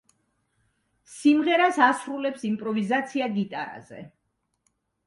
სიმღერას ასრულებს იმპროვიზაცია გიტარაზე.